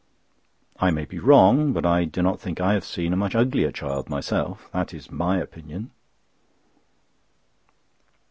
I may be wrong, but I do not think I have seen a much uglier child myself. That is my opinion.